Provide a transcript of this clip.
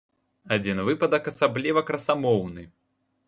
Адзін выпадак асабліва красамоўны.